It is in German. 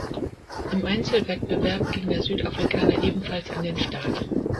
Im Einzelwettbewerb ging der Südafrikaner ebenfalls an den Start.